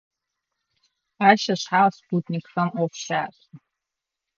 Ащ ышъхьагъ спутникхэм Ӏоф щашӀэ.